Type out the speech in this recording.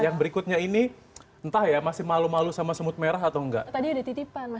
yang berikutnya ini entah ya masih malu malu sama semut merah atau enggak